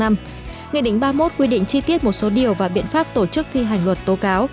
nghị định ba mươi một quy định chi tiết một số điều và biện pháp tổ chức thi hành luật tố cáo